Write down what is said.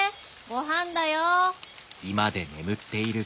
ごはんだよ。